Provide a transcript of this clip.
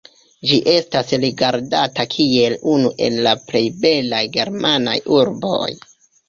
Ĝi estas rigardata kiel unu el la plej belaj germanaj urboj.